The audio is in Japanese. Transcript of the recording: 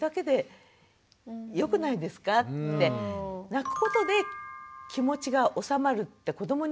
泣くことで気持ちがおさまるって子どもにはよくあることですよね。